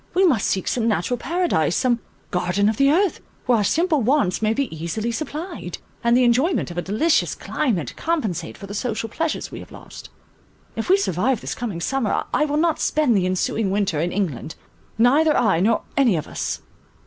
We must seek some natural Paradise, some garden of the earth, where our simple wants may be easily supplied, and the enjoyment of a delicious climate compensate for the social pleasures we have lost. If we survive this coming summer, I will not spend the ensuing winter in England; neither I nor any of us."